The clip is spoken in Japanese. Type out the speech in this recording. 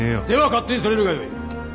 では勝手にされるがよい。